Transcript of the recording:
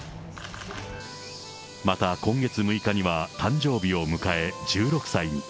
また、今月６日には誕生日を迎え、１６歳に。